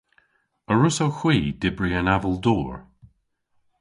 A wrussowgh hwi dybri an aval dor?